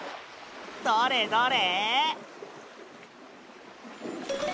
どれどれ？